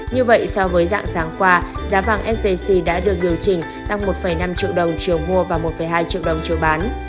như vậy so với dạng sáng qua giá vàng sjc đã được điều chỉnh tăng một năm triệu đồng chiều mua và một hai triệu đồng chiều bán